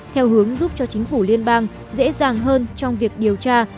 theo hướng giúp cho chính phủ liên bang dễ dàng hơn trong việc điều tra